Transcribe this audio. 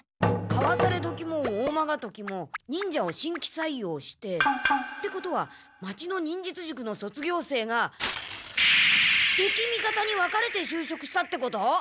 カワタレドキもオーマガトキも忍者を新規採用してってことは町の忍術塾の卒業生が敵味方にわかれて就職したってこと？